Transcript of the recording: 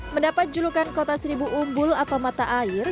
mendapat julukan kota seribu umbul atau mata air